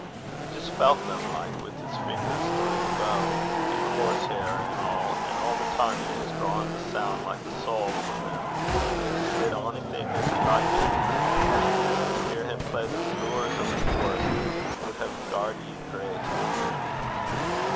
He jist fan' (felt) them like wi' 's fingers throu' the bow an' the horsehair an' a', an' a' the time he was drawin' the soun' like the sowl frae them, an' they jist did onything 'at he likit. Eh! to hear him play the Flooers o' the Forest wad hae garred ye greit.'